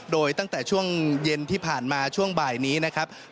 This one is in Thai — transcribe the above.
โดยตั้งแต่ช่วงเย็นที่ผ่านมาช่วงบ่ายนี้นะครับ